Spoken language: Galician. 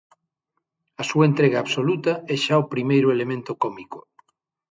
A súa entrega absoluta é xa o primeiro elemento cómico.